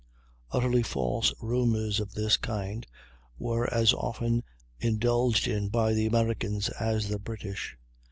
Utterly false rumors of this kind were as often indulged in by the Americans as the British.